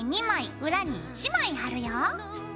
裏に１枚貼るよ。